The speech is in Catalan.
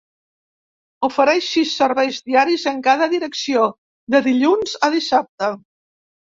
Ofereix sis serveis diaris en cada direcció, de dilluns a dissabte.